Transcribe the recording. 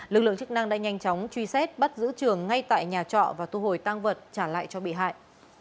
lực lượng chức năng đã nhanh chóng truy xét bắt giữ trường ngay tại nhà trọ và thu hồi tăng vật trả lại cho bị hại